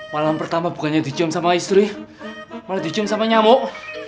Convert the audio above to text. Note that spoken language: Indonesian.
malam pertama bukannya dicium sama istri malah dicium sama nyamuk